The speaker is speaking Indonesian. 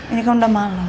ini kan sudah malam